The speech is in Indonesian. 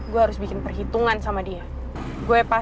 gue harus bikin perhitungan sama dia